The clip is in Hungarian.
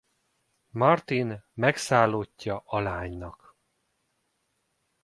Martin megszállottja a lánynak.